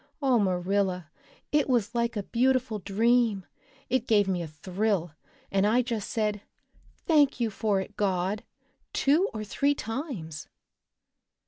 Oh, Marilla, it was like a beautiful dream! It gave me a thrill and I just said, 'Thank you for it, God,' two or three times."